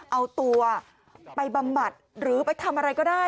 เอาตัวไปบำบัดหรือไปทำอะไรก็ได้